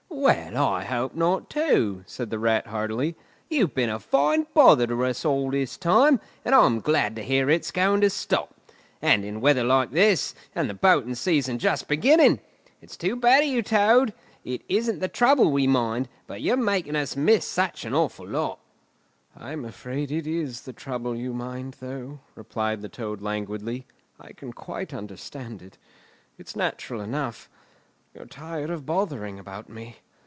"Well, I hope not, too," said the Rat heartily. "You've been a fine bother to us all this time, and I'm glad to hear it's going to stop. And in weather like this, and the boating season just beginning! It's too bad of you, Toad! It isn't the trouble we mind, but you're making us miss such an awful lot." "I'm afraid it is the trouble you mind, though," replied the Toad languidly. "I can quite understand it. It's natural enough. You're tired of bothering about me.